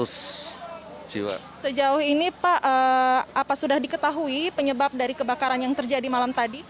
sejauh ini pak apa sudah diketahui penyebab dari kebakaran yang terjadi malam tadi